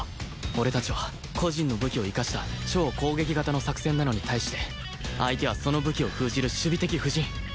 俺たちは個人の武器を生かした超攻撃型の作戦なのに対して相手はその武器を封じる守備的布陣！